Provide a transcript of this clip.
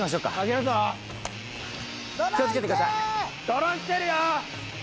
ドローン来てるよ！